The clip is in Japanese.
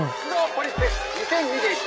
ポリスフェス２０２１」